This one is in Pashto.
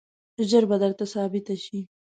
ژر به درته ثابته شي.